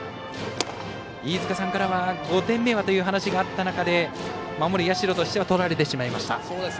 飯塚さんからは５点目はという話があった中で守る社としてはとられてしまいました。